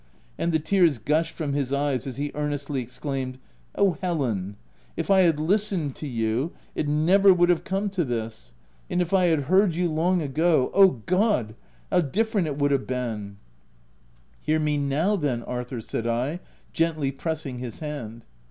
And the tears gushed from his eyes as he earnestly exclaimed, — u Oh, Helen, if I had listened to you, it never would have come to this ! And if I had heard you vol. in. M 242 THE TENANT long ago— Oh, God ! how different it would have been !''" Hear me now, then, Arthur," said I, gently pressing his hand.